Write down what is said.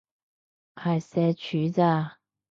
係社畜咋